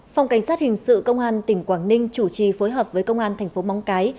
phòng cảnh sát hình sự công an tỉnh quảng ninh chủ trì phối hợp với công an tp mong cái